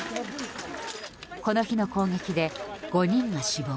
この日の攻撃で５人が死亡。